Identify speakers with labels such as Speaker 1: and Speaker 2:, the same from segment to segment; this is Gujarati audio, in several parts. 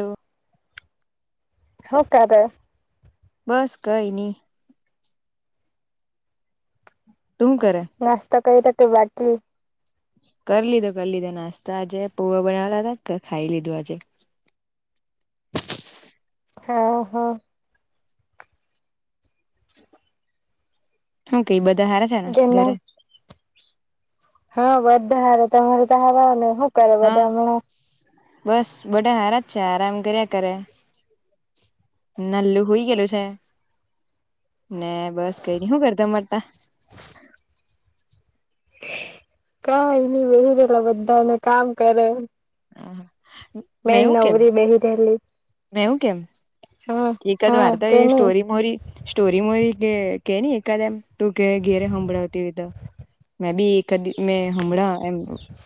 Speaker 1: તો
Speaker 2: [unintelligible]
Speaker 1: બસ કઈ નઈ તું કરે
Speaker 2: કઈ તક બાકી
Speaker 1: કરી લીધો કરી લીધો નાસ્તા આજે પોવા બનાવેલા હતા કે ખાઈ લીધું આજે
Speaker 2: હા હા
Speaker 1: હું કઈ બધા હાર છે, ને
Speaker 2: જેના
Speaker 1: ઘરે
Speaker 2: હા બધા હારે તમારે તો હાર આવ ને શું કરે
Speaker 1: હા
Speaker 2: બધા હમણાં
Speaker 1: બસ બડા હારા જ છે, આરામ કર્યા કરે નલલું હોઈ ગયેલું છે, ને બસ કઈ ન શું કરતા મળતા
Speaker 2: કાય ની બેહી રહેેલા બધાને કામ કરે મેં
Speaker 1: મેવું કેમ
Speaker 2: નવરી બેહી રહેલી
Speaker 1: મેવું કેમ
Speaker 2: હા
Speaker 1: એકઠકદ
Speaker 2: હા કે
Speaker 1: વાર્તા
Speaker 2: ની
Speaker 1: સ્ટોરી મોરી સ્ટોરી મોરી કે કે ન એકાદ એમ તું કે ઘેરે સંંભળાવતી હો તો મેબી એકાદિ હમણાં એમ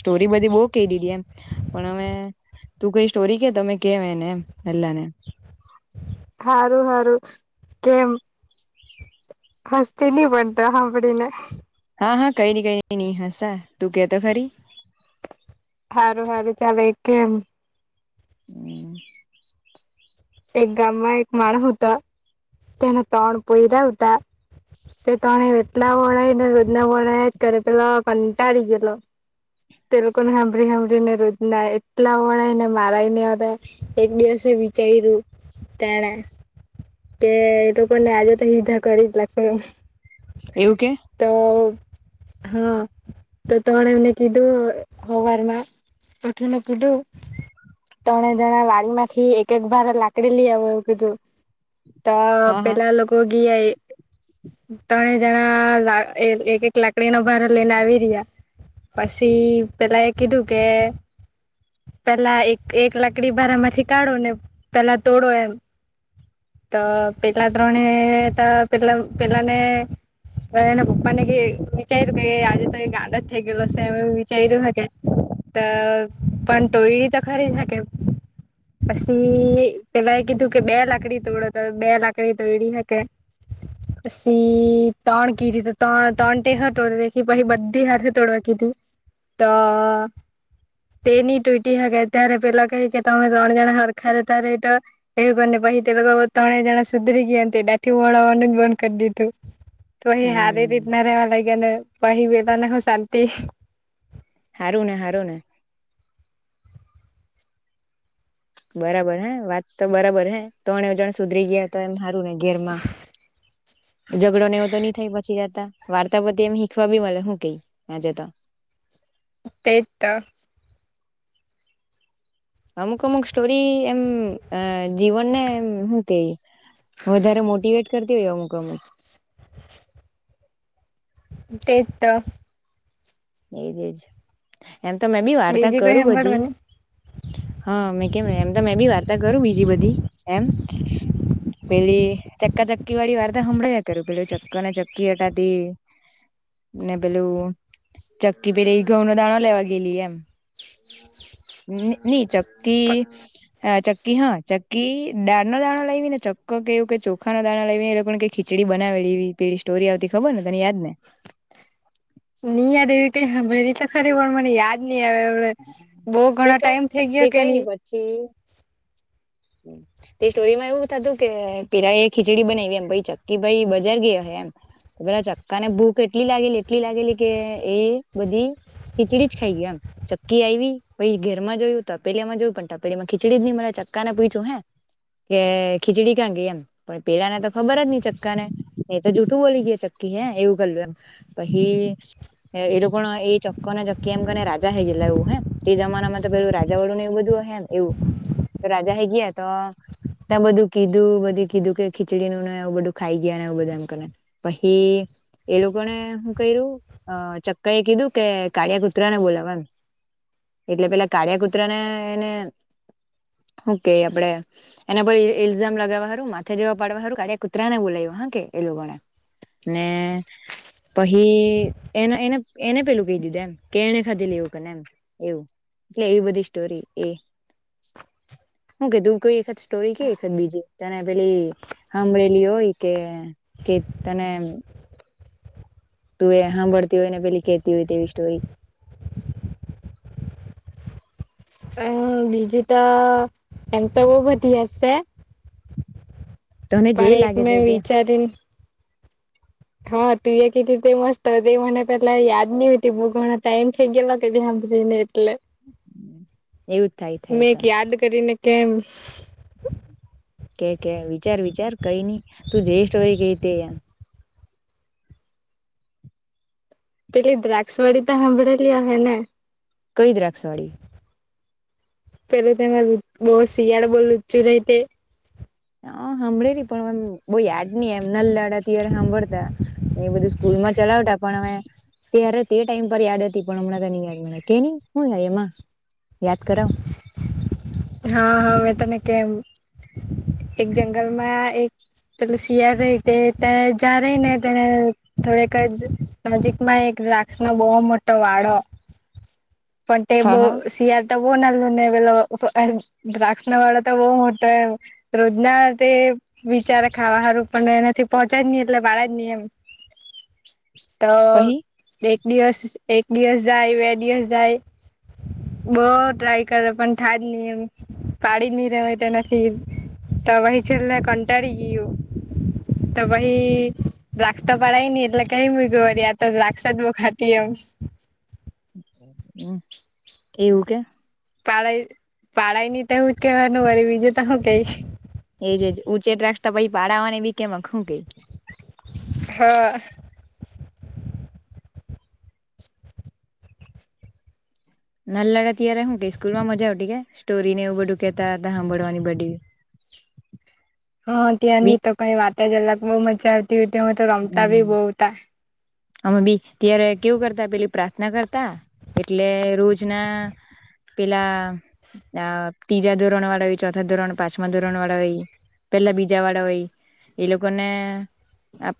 Speaker 1: સ્ટોરી બધી બો કે ટી ટી એમ એમ પણ અમે તું કઈ સ્ટોરી કે તમે કેમ એને હલ્લાને
Speaker 2: હારું હારું કેમ હ્સતી ની બન્ત હબદિ ને
Speaker 1: હા હા કઈ નઈ કઈ નહી હસા તું કેતો ખરી
Speaker 2: સારું સારું ચાલે કેમ
Speaker 1: હમ [inaudible]
Speaker 2: એક ગામમાં એક માણ હતો તેના ત્રણ પયરા હતા તે ત્રણે એટલા વણાય ને રોજના વણાય જ કર પેલા કંટાળી ગયેલો તેલકોને સાંભળી સાંભળીને રોજ્ ના એટલા વણાય ને મારાય ને આવતા એક દિવસે વિચયું તેણે તે લોકો ને આજે તો હિધા કરી જ લખુ
Speaker 1: એવું કે
Speaker 2: તો હ તો ત્રણે એમને કીધું હવારમાં ઉઠહુને કુધુ તણે જણા વાડી માંથી એક એક વાર લાગ લાકડી લેવ આવો આવ કીધુ
Speaker 1: હા હા
Speaker 2: તોપેલા લોકો ગીઆ ત્રણે જણા એક એક લાકડીના ભાર લઈને આવી રહ્યા પછી પેલાયે કધું કે પેલા એક એક લાકડી ભારા માંથી કાઢો ને પેલા તોડો એમ તો પેલા ત્રણે ત કેટલાક્ કેટલ ને પણ એના પપ્પા ને કે વિચાર્યું કે આજે તો ગાંડોજ થઈ ગયયો હશે એમ વિચાર્યું હ કે તો પણ ટોયડી તો ખરી હ કે પછી પેલા કીધું કે બે લાકડી તોડો તો બે લાકડી તોડી હકે પછી ત્રણ કીધી તો ત્રણ ત્રણ ટેહ તોડ દે કે પછી બધી હાથે તોડવા કીધી હું તો [inaudible] તે નની ટૂટી હકે ત્યારે પેલા કહી કે તમે ત્રણ જણા હરખરે ત્યારે એ તો એબને ભાઈ તે તોકો ત્રણે જણા સુધરી ગયા ડાઠી બનાવાનું બંધ કરી દીઘું ખુસ [unintelligible] તો અહી હારી
Speaker 1: હમ
Speaker 2: રીતના રહેવા લાગ્યા ને તો અહી વેલા ના હ શાંતિ.
Speaker 1: હારુ ને હારુ ને બરાબર હે વાત તો બરાબર હે ત્રણજણ સુધરી ગયા તો એમ સારું ને ઘેરમાં ઝઘડો ને એવો તો નહી થાય પછી જતા વાર્તા બધી એમ શીખવા બી મળે હું કઈ ત્યાં જતા
Speaker 2: તેતા
Speaker 1: અમુક અમુક સ્ટોરી એમ જીવન ને એમ શું કે વધારે મોટીવેટ કરતી હોય અમુક અમુક
Speaker 2: [inaudible] તે તો
Speaker 1: એજ એજ એમ તો મેં બી વાર્તા
Speaker 2: બીજી કોઈ
Speaker 1: કરું બધી
Speaker 2: હાભળવાની
Speaker 1: હા મે કેમ એમ તો મે બી વાર્તા કરું બીજી બધી એમ પેલી ચક્કા ચક્કી વાળી વાર્તા સંભળાવ્યા કર્યું પેલો ચક્કો ને ચક્કી હતાં તે ને પેલું ચક્કી પેટે એ ઘંઉ નો દાણાો લેવા ગયેલી એમ ની ની ચક્કી હા ચક્કી હા ચક્કી દાળ નો દાણા લાવી ને ચક્કો કેવું કે ચોખા નો દાણા લાવીને એ લોકોને કઈ ખીચડી બનાવેલી એવી સ્ટોરી આવતી ખબર ને તને યાદ ને
Speaker 2: ની યાદ એવી કય સાંભયડી તો ખરી પણ મને યાદ ની આવે અમના બો ઘણો
Speaker 1: તે કઈ
Speaker 2: ટાઈમ થઈ ગયો
Speaker 1: તે કઈ
Speaker 2: કેની
Speaker 1: નઈ પછી તે સ્ટોરીમાં એવું થતું કે પેલા એ ખીચડી બનાવી એમ ચક્કી ભાઈ બજાર ગયા હે એમ પેલા ચક્કા ને ભૂખ એટલી લાગેલી એટલી લાગેલી કે એ બધી ખીચડી જ ખાઈ ગીયો એમ ચક્કી આયવી ઘરમાં જોયું તપેલા માં જોયું પણ તપેલીમાં ખીચડી જ ની મડે ચ કાને પૂયછું હે કે ખીચડી કયા ગઈ એમ પણ પેલા ને તો ખબર જ નઈ ચક્કા ને એ તો જૂઠું બોલી ગય ચક્કી હે એવું કરલું એમ પહિ એલોકો એ ચક્કો ને ચક્કી એમ કરને રાજા હે ગેલા એવુ હ તે જમાના માં તો પેલું રાજા વળું ને એવ બધવું હે એવું તો રાજા હે ગીયા તો ત્યાં બધું કીધું બધું કીધું કે ખીચડીનું ને એવું બધું ખાઈ ગયા ને બઘા એમ કરે પછી એ લોકોને હું કર્યું અ ચક્કા એ કીધું કે કાળિયા કુતરાને બોલાવે એમ એટલે પેલા કાળિયા કુતરા ને ઓકે આપડે એના પર ઇઝામ લગાવવા હારુ માથે જેવા પાડવા હારું કાળીયા કુતરા ને બોલાયવો. હાકે એ લોકોને ને પહિ એને એને એને પેલું કહી દીધું એમ કેને ખાતે લેવું કેને એમ એવું એટલે એવી બધી સ્ટોરી એ હું કે તું કોઈ એક સ્ટોરી કે એક બીજી તને પેલી હાંભળેલી હોય કે એક તને તું એ સાંભળતી હોય ને પેલી કેતી હોય તેવી સ્ટોરી.
Speaker 2: [inaudible] હમ બીજું તો એમ બો બધી હશે
Speaker 1: તને જે
Speaker 2: પણ એક
Speaker 1: લાગે
Speaker 2: મેં
Speaker 1: તે કે
Speaker 2: વિચારીન હા તું એ કી રીતે મસ્ત મને પેલા યાદ નહતી બહુ ઘણાો ટાઈમ થઈ ગેલો- - ને એટલે
Speaker 1: એવું જ થાય થાય
Speaker 2: મેં એક
Speaker 1: તો
Speaker 2: યાદ કરીને કેમ
Speaker 1: કે કે વિચાર વિચાર કઈ નઈ તું જે સ્ટોરી કેય તે એમ
Speaker 2: પેલી દ્રાક્ષવાડી તો સાંભળેલી હૈ ને?
Speaker 1: કઈ દ્રાક્ષવાળી?
Speaker 2: પેલા તેમાં બૌ શિયાળો બો લુચો રે તે.
Speaker 1: હા હાંભળે પરં બવ યાદ ની એમ નલાડા ત્યારે હાંભળતા એ બધું સ્કૂલ માં ચલાવતા પણ અમે- તરે તે ટાઈમ પર યાદ હતી પણ હમણાં તને યાદ મળે કે નહી હું એમાં? યાદ કરાવ.
Speaker 2: હા હા મેં તને કેમ એક જંગલમાં એક પેલું શિયાળ રેય તે તેને થોડક જ નજીકમાં એક દ્રાક્ષ નો બો મોટો વાડો પણ તે
Speaker 1: હા હા
Speaker 2: શિયાળ તો બો નાનું ને પેલો દ્રાક્ષ ના વાળો તો બો મોટો રોજના તે વિચાર ખાવા હારુ પણ એનાથી પહોંચે જ ની એટલે વાડે જ ની એમ તો
Speaker 1: પહી
Speaker 2: દિવસ એક દિવસ જાય બે દિવસ જાય બો ટ્રાય કરે પણ થાય ની એમ પાડી ની રેવાય તેના થી તો પછી છેલ્લે કંટાળી ગીયું. તો પહિ દ્રાક્ષ તો પડાય ની એટલે કેય મૂયકુ એમ આ તો દ્રાક્ષ જ બો ખાટી એમ. [inaudible]
Speaker 1: હમમ એવું કે
Speaker 2: પાળાઈ પાળાઈ ની તો હું જ કેવાનું બીજું તો હું કઈ.
Speaker 1: એજ એજ ઊંચે દ્રાક્ષતા પહી પાડવાની બી કેમકે હું કેય
Speaker 2: હા.
Speaker 1: નાલા હતા ત્યારે શું કેવું સ્કૂલ માં મજા આવતી કે સ્ટોરીને એવું બધું કેતા હતા હાભળવાની બધી
Speaker 2: [inaudible] હા
Speaker 1: બી
Speaker 2: ત્યાંની તો કઈ વાત જ અલગ બહુ મજા આવતી ઉટી તે અમે તો રમતા
Speaker 1: હમ
Speaker 2: ભી બહુ ઉતા
Speaker 1: અમે બી ત્યારે કેવું કરતા પેલી પ્રાર્થના કરતા એટલે રોજના પેલા ત્રીજા ધોરણ વાળા હોય, ચોથા ધોરણ, પાંચમા ધોરણ વાળા હોય પેલા બીજા વાળા હોય એ લોકો ને આપ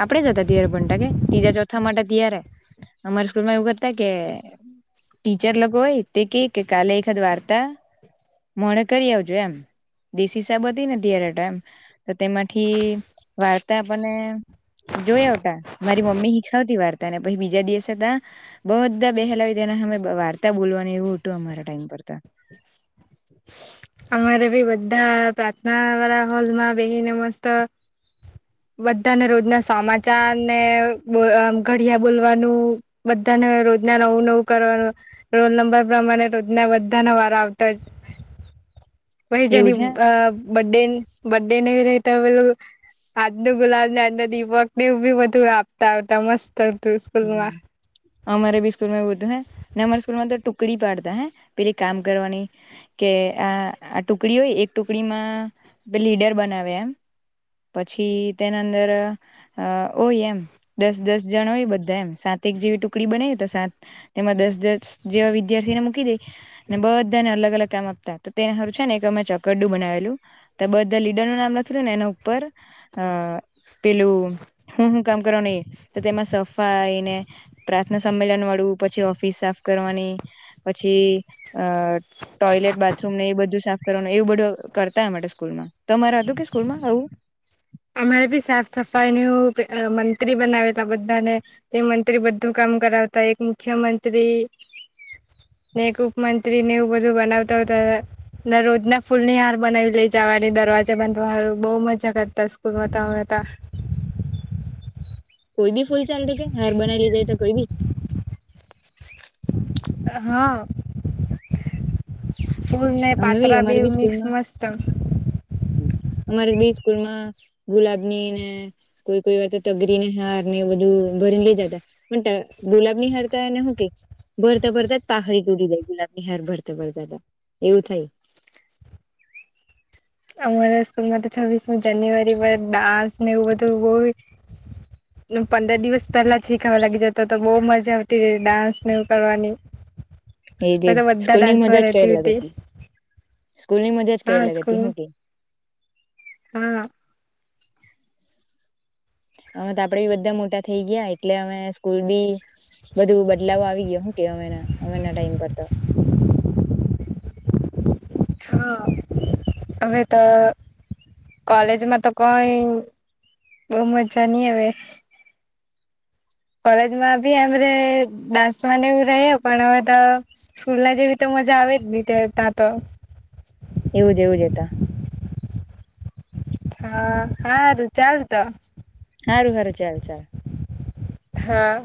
Speaker 1: આપડે જ્યારે ત્રીજા કે ત્રીજા ચોથા માટે ત્યારે અમારી સ્કૂલ માં એવું કતા કે ટીચર અલગ હોય તે કે કે કાલે એકાદ વાર્તા મોડા કરી આવજો એમ. દેશી હિસાબ હતી ને ત્યારે ટાઈમ તો તેમાંથી વાર્તા આપડને જોઈ આવતા મારી મમ્મી હિખવતી વાર્તા ને પછી બીજા દિવસે તા બહ બધા બેહેલાવી દેના મને વાર્તા બોલવાનું એવું હતું અમારા ટાઈમ પર તો.
Speaker 2: [inaudible] અમારે બી બધા પ્રાર્થના વાળા હોલમાં બેહીને મસ્ત બધાને રોજના સમાચાર ને ઘડિયા બોલવાનું બધા રોજના નવું નવું કરવાનું રોલ નંબર પ્રમાણે રોજ ના બધા ના વારા આવતા જ. પાહિ જેની
Speaker 1: એવું છે
Speaker 2: અ બડે બડે ને તે ઓલ આજનુ ગુલાબ ને આજનો દીપક ને એવું બી બધું આપતા હતા મસ્ત હતું
Speaker 1: હમમ
Speaker 2: સ્કૂલમાં
Speaker 1: અમારે બી સ્કૂલ માં એવું હતું ને અમારે સ્કૂલમાં તો ટુ ટુકડી પાડતા હે પેલી કામ કરવાની કે અ આ ટુકડી હોય એક ટુકડીમાં લીડર બનાવે એમ પછી તેના અંદર અ હોય એમ દસ દસ જણ હોય બધું એમ સાત એક જેવી ટુકડી બને તો સાત તેમાં દસ દસ જેવા વિદ્યાર્થીને મૂકી દે. બધાને અલગ અલગ કામ આપતા તો તેને હારુ છે ને કે અમે ચકરડું બનાવેલું બધા લીડર નું નામ લખી દેવાનું ને એના ઉપર અ પેલું હું હું કામ કરો ને તો તેમાં સફ સફાઈને પ્રાર્થના સંમેલન વાળું પછી ઓફિસ સાફ કરવાની પસી અ ટોયલેટ બાથરૂમ ને એ બધું સાફ કરવાનું એવું બધું કરતાય માટે સ્કૂલમાં તમાર હતું કે સ્કૂલ માં એવું?
Speaker 2: અમારે બી સાફ સફાઈ ને અ મંત્રી બનાવેલા બધાને એ મંત્રી બધું કામ કામ કરાવતા એક મુખ્યમંત્રી ને એક ઉપમંત્રી ને એવું બધું બનાવતા હતા ને રોજ ના ફૂલ ની હાર બનાવી લે જાતા. વાની દરવાજા બનવા બો મજા કરતા બનાવતા હતા.
Speaker 1: કોઈ ભી ફૂલ ચાલતું કે હાર બનાઈ લી જાય તો કોઈ ભી?
Speaker 2: હા. ફૂલ અને
Speaker 1: અમે બી
Speaker 2: પાતરા
Speaker 1: અમારે
Speaker 2: બેવ
Speaker 1: બી
Speaker 2: મિક્સ
Speaker 1: સ્કૂલમાં
Speaker 2: મસ્ત
Speaker 1: અમારે બી સ્કૂલમાં ગુલાબ ની ને કોઈ કોઈ વાર તો તગરીને હાર ને એ બધું ભરીને લેય જતા પણ તે ગુલાબની હાર ને કે ભરતા ભરતા પાખરી તૂટી જય ગુલાબ હરભરતા ભર દાદા એવું થાય.
Speaker 2: અમારા સ્કૂલ માં તો છવ્વીસમી જાન્યુઆરી પર ડાન્સ ને એવું બધું બહુ. પંદર દિવસ પહેલા જ શીખાવા લાગી જતો તો બહુ મજા આવતી ડાન્સને એવું કરવાની
Speaker 1: એજ
Speaker 2: મે
Speaker 1: એજ
Speaker 2: તો બધા
Speaker 1: સ્કૂલની મજા
Speaker 2: ડાન્સમાં
Speaker 1: જ કઈ
Speaker 2: રહેતી
Speaker 1: અલગ
Speaker 2: હતી.
Speaker 1: સ્કૂલની મજા જ કઈ
Speaker 2: હા
Speaker 1: અલગ હતી
Speaker 2: સ્કૂલ
Speaker 1: હું કે
Speaker 2: હા,
Speaker 1: હ તો આપડે બી બધા મોટા થઈ ગયા એટલે અમે સ્કૂલ બી બધું બદલાવ આવી ગયો. ના ઉમેના ટાઈમ પરતા.
Speaker 2: [inaudible] હા અમે તો. કોલેજમાં તો કોઈ બઉ મજા નઈ હવે, કોલેજ માં ભી આરે ડાન્સ મ રહે પણ તો સ્કૂલ ના જે તો. મજા આવે જ ની ત ત્યાં તો,
Speaker 1: એવું જ એવું જતા,
Speaker 2: હા હારું ચાલ તો
Speaker 1: સારું સારું ચાલ ચાલ.
Speaker 2: હા,